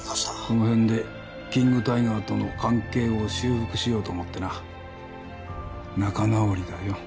この辺でキング・タイガーとの関係を修復しようと思ってな仲直りだよ